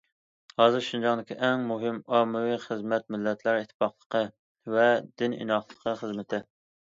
ھازىر شىنجاڭدىكى ئەڭ مۇھىم ئاممىۋى خىزمەت مىللەتلەر ئىتتىپاقلىقى ۋە دىن ئىناقلىقى خىزمىتى.